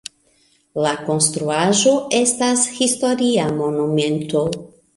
La konstruaĵo estas historia monumento.